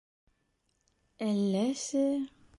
— Әлләсе...